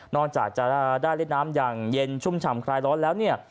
จากจะได้เล่นน้ำอย่างเย็นชุ่มฉ่ำคลายร้อนแล้วเนี่ย